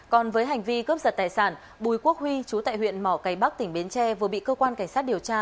còn với hành vi cướp giật tài sản bùi quốc huy chú tại huyện mỏ cây bắc tỉnh bến tre vừa bị cơ quan cảnh sát điều tra